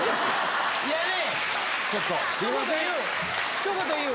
ひと言言う！